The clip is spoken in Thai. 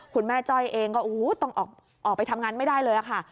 คุณแม่จ้อยเองก็ออกไปทำงานไม่ได้เลยอะค่ะ